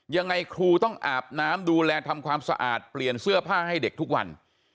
ยังไงครูต้องอาบน้ำดูแลทำความสะอาดเปลี่ยนเสื้อผ้าให้เด็กทุกวัน